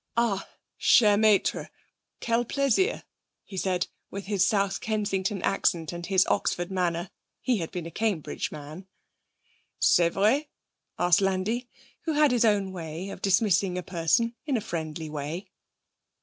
'Ah, cher maître, quel plaisir!' he said with his South Kensington accent and his Oxford manner. (He had been a Cambridge man.) 'C'est vrai?' asked Landi, who had his own way of dismissing a person in a friendly way.